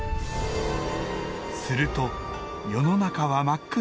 すると世の中は真っ暗に。